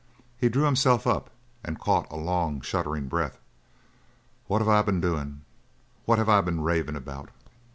He drew himself up and caught a long, shuddering breath. "What have I been doin'? What have I been ravin' about?"